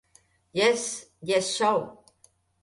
"Yes, Yes Show!"